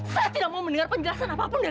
sampai jumpa di video selanjutnya